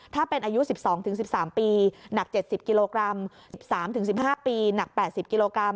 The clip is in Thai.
ถ้าเป็นอายุ๑๒๑๓ปีหนัก๗๐กิโลกรัม๑๓๑๕ปีหนัก๘๐กิโลกรัม